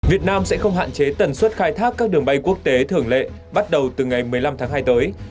việt nam sẽ không hạn chế tần suất khai thác các đường bay quốc tế thường lệ bắt đầu từ ngày một mươi năm tháng hai tới